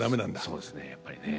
そうですねやっぱりね。